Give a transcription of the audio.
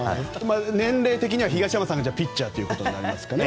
年齢的には東山さんがピッチャーとなりますかね。